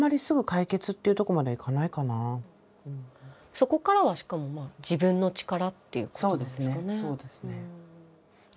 そこからはしかも自分の力っていうことなんですかね？